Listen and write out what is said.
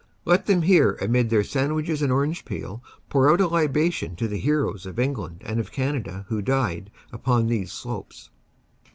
Let them here amid their sandwiches and orange peel pour out a libation to the heroes of England and of Canada who died upon these slopes."